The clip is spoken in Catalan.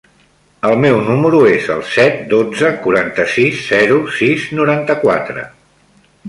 El meu número es el set, dotze, quaranta-sis, zero, sis, noranta-quatre.